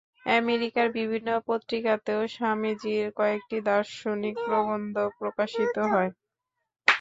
আমেরিকার বিভিন্ন পত্রিকাতেও স্বামীজীর কয়েকটি দার্শনিক প্রবন্ধ প্রকাশিত হয়।